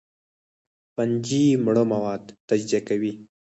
فنجي مړه مواد تجزیه کوي